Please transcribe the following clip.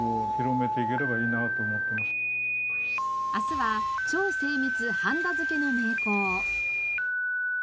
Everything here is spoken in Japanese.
明日は超精密はんだ付けの名工。